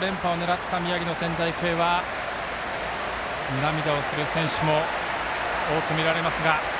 連覇を狙った宮城の仙台育英は涙をする選手も多く見られますが。